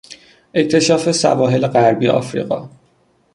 اکتشاف سواحل غربی افریقا